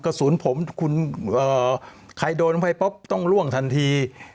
กระสุนผมใครโดนไว้ป๊อบต้องล่วงทันที